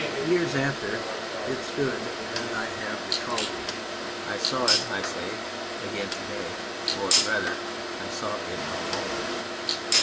Years after it stood as I have recalled it. I saw it (I say) again to day or rather, I saw it no longer.